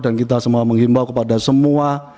dan kita semua menghimbau kepada semua